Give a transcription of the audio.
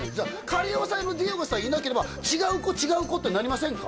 仮押さえのディエゴさえいなければ違う子違う子ってなりませんか？